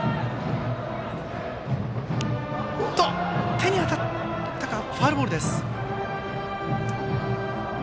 手に当たったかファウルです。